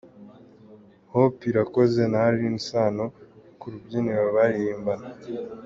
Hope Irakoze na Alyn Sano ku rubyiniro baririmbana.